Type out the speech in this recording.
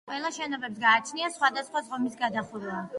ყველა შენობებს გააჩნიათ სხვადასხვა ზომის გადახურვა.